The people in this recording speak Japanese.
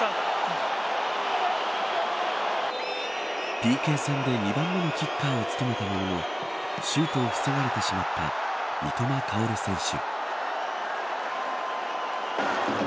ＰＫ戦で２番目のキッカーを務めたもののシュートを防がれてしまった三笘薫選手。